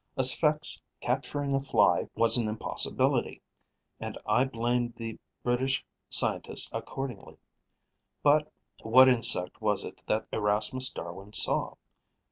A Sphex capturing a Fly was an impossibility; and I blamed the British scientist accordingly. But what insect was it that Erasmus Darwin saw?